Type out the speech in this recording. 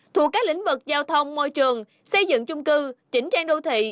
thuộc các lĩnh vực giao thông môi trường xây dựng chung cư chỉnh trang đô thị